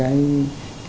của người đầu tư